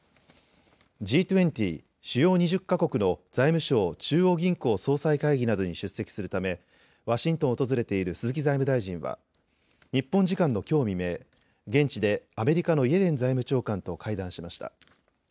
Ｇ２０・主要２０か国の財務相・中央銀行総裁会議などに出席するためワシントンを訪れている鈴木財務大臣は日本時間のきょう未明、現地でアメリカのイエレン財務長官と会談しました。